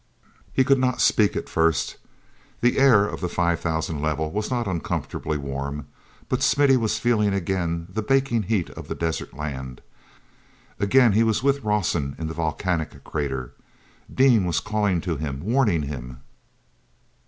He could not speak at first. The air of the five thousand level was not uncomfortably warm, but Smithy was feeling again the baking heat of that desert land; again he was with Rawson in the volcanic crater; Dean was calling to him, warning him....